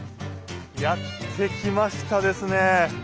やって来ましたですね。